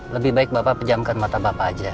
lebih baik bapak pejamkan mata bapak aja